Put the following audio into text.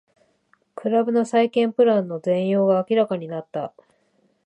クラブの再建プランの全容が明らかになった